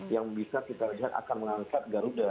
yang bisa kita lihat akan mengangkat garuda